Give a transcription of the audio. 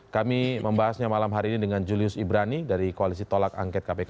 kami membahasnya malam hari ini dengan julius ibrani dari koalisi tolak angket kpk